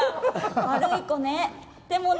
悪い子ね。